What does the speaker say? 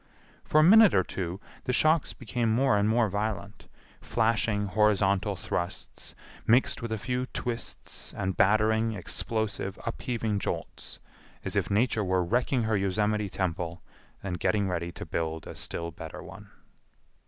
For a minute or two the shocks became more and more violent—flashing horizontal thrusts mixed with a few twists and battering, explosive, upheaving jolts,—as if Nature were wrecking her Yosemite temple, and getting ready to build a still better one.